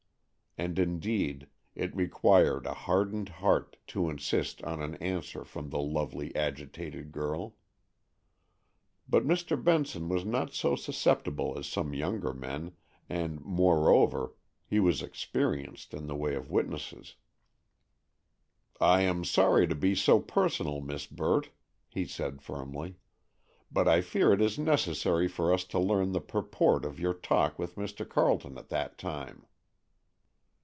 And indeed it required a hardened heart to insist on an answer from the lovely, agitated girl. But Mr. Benson was not so susceptible as some younger men, and, moreover, he was experienced in the ways of witnesses. "I am sorry to be so personal, Miss Burt," he said firmly; "but I fear it is necessary for us to learn the purport of your talk with Mr. Carleton at that time."